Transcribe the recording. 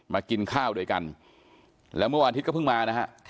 กินข้าวด้วยกันแล้วเมื่อวันอาทิตย์ก็เพิ่งมานะฮะ